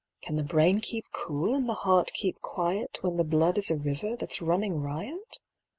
Can the brain keep cool and the heart keep quiet When the blood is a river that's running riot?